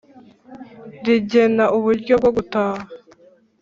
rigena uburyo bwo gutaha